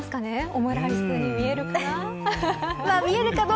オムライスに見えるかな。